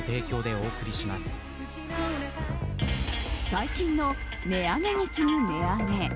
最近の値上げに次ぐ値上げ。